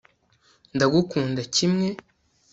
ndagukunda kimwe